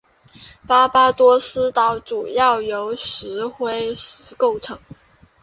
巴巴多斯岛主要由石灰石构成。